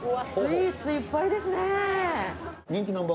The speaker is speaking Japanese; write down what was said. スイーツいっぱいですね！